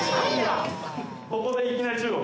ここでいきなり中国。